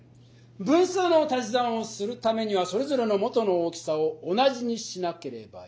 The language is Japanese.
分数のたし算をするためにはそれぞれの元の大きさを同じにしなければいけない。